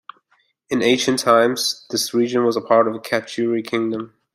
In ancient times, this region was a part of the "Katyuri" kingdom.